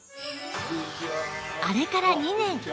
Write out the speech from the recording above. あれから２年